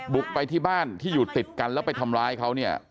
บุกไปที่บ้านที่อยู่ติดกันแล้วไปทำร้ายเขาเนี่ย